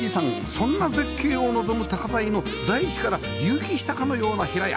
そんな絶景を望む高台の大地から隆起したかのような平屋